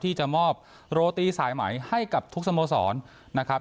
ที่จะมอบโรตีสายใหม่ให้กับทุกสโมสรนะครับ